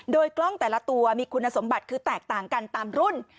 โดยกล้องแต่ละตัวมีคุณสมบัติคือแตกต่างกันตามรุ่น